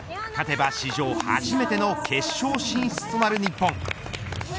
勝てば、史上初めての決勝進出となる日本。